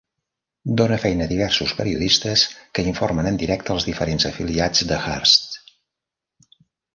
Dona feina a diversos periodistes que informen en directe als diferents afiliats de Hearst.